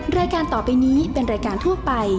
แม่ภาพประจำบาน